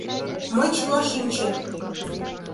Мый чыла шинчем!